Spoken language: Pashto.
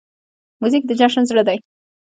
موزیک د جشن زړه دی.